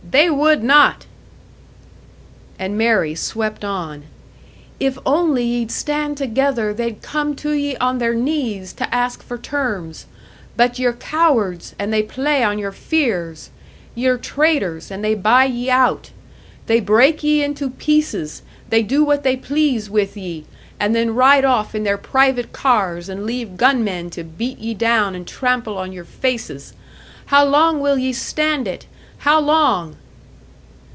They would not!" And Mary swept on: "If only ye'd stand together, they'd come to ye on their knees to ask for terms! But ye're cowards, and they play on your fears! Ye're traitors, and they buy ye out! They break ye into pieces, they do what they please with ye and then ride off in their private cars, and leave gunmen to beat ye down and trample on your faces! How long will ye stand it? How long?"